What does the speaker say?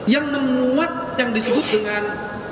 yang menguat yang disebut dengan